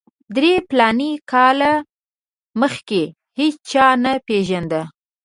درې فلاني کاله مخکې هېچا نه پېژاند.